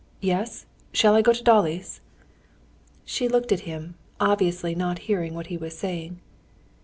Yes, shall I go to Dolly's?" She looked at him, obviously not hearing what he was saying.